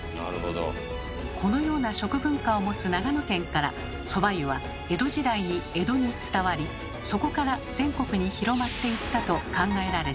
このような食文化を持つ長野県からそば湯は江戸時代に江戸に伝わりそこから全国に広まっていったと考えられています。